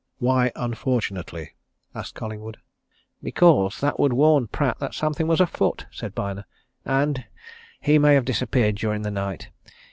"Why unfortunately?" asked Collingwood. "Because that would warn Pratt that something was afoot," said Byner. "And he may have disappeared during the night.